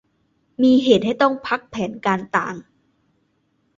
มีเหตุให้ต้องพักแผนการต่าง